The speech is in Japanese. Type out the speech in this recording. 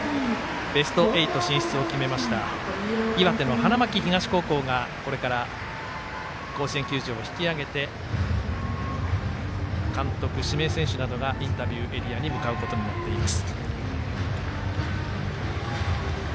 ベスト８進出を決めました岩手の花巻東高校がこれから甲子園球場を引き揚げて監督、指名選手などがインタビューエリアに向かうことになっています。